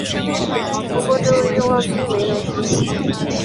不过这个愿望并没能实现。